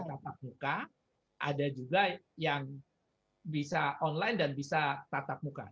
tatap muka ada juga yang bisa online dan bisa tatap muka